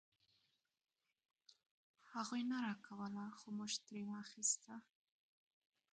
هغوی نه راکوله خو مونږ ترې واخيسته.